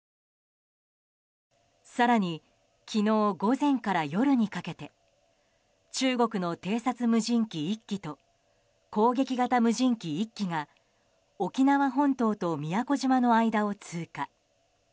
更に昨日午前から夜にかけて中国の偵察無人機１機と攻撃型無人機１機が沖縄本島と宮古島の間を通過。